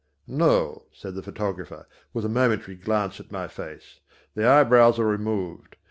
"No," said the photographer, with a momentary glance at my face, "the eyebrows are removed.